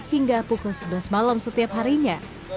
hingga pukul sebelas malam setiap harinya